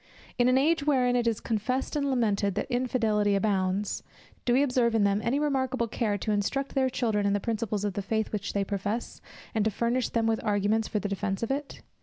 In an age wherein it is confessed and lamented that infidelity abounds, do we observe in them any remarkable care to instruct their children in the principles of the faith which they profess, and to furnish them with arguments for the defence of it?